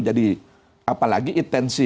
jadi apalagi intensi